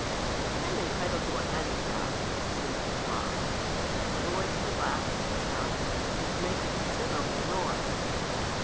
"I'm entitled to a handicap," insisted Bob. The boys were laughing and shouting, and making considerable noise.